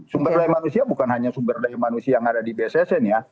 sumber daya manusia bukan hanya sumber daya manusia yang ada di bssn ya